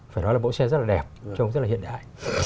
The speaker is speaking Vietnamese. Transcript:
phải nói là mẫu xe rất là đẹp trông rất là hiện đại